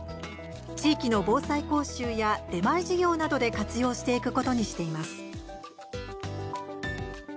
地域の防災講習や出前授業などで活用していくことにしています。